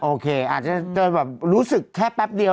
โอเคอาจจะแบบรู้สึกแค่แป๊บเดียว